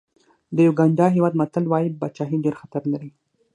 د یوګانډا هېواد متل وایي پاچاهي ډېر خطر لري.